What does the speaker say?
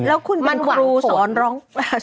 แล้วคุณเป็นครูสอนร้อง